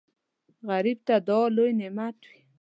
غریب ته دعا لوی نعمت وي